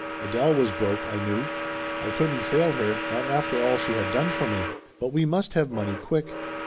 Adele was broke, I knew. I couldn't fail her, not after all she had done for me. But we must have money quick.